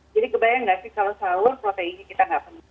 jadi kebayang gak sih kalau sahur proteinnya kita gak penuh